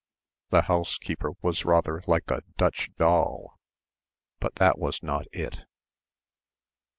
the housekeeper was rather like a Dutch doll ... but that was not it.